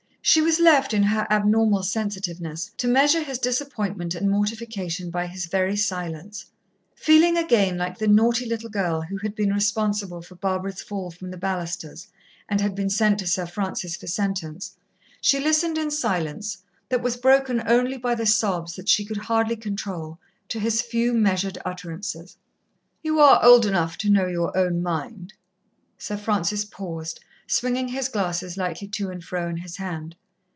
She was left, in her abnormal sensitiveness, to measure his disappointment and mortification by his very silence. Feeling again like the naughty little girl who had been responsible for Barbara's fall from the balusters, and had been sent to Sir Francis for sentence, she listened, in a silence that was broken only by the sobs that she could hardly control, to his few, measured utterances. "You are old enough to know your own mind." Sir Francis paused, swinging his glasses lightly to and fro in his hand.